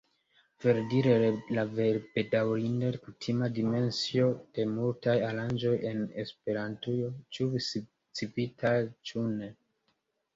Verdire, la bedaŭrinde kutima dimensio de multaj aranĝoj en Esperantujo, ĉu Civitaj ĉu ne.